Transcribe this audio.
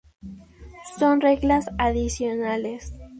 Son reglas adicionales.